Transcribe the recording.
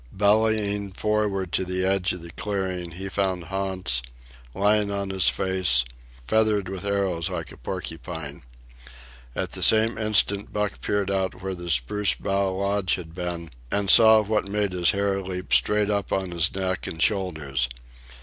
Bellying forward to the edge of the clearing, he found Hans, lying on his face, feathered with arrows like a porcupine. At the same instant Buck peered out where the spruce bough lodge had been and saw what made his hair leap straight up on his neck and shoulders.